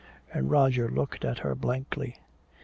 And Roger looked at her blankly.